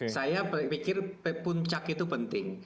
saya pikir puncak itu penting